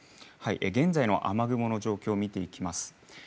現在の雨雲の状況を見ていきます。